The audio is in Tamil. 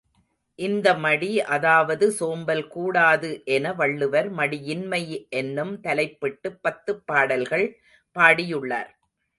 இந்த மடி அதாவது சோம்பல் கூடாது என வள்ளுவர் மடியின்மை என்னும் தலைப்பிட்டுப் பத்துப் பாடல்கள் பாடியுள்ளார்.